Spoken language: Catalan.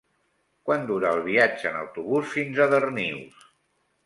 Quant dura el viatge en autobús fins a Darnius?